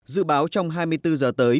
dự báo trong hai mươi bốn giờ tới